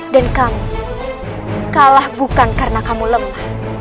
dan kamu kalah bukan karena kamu lemah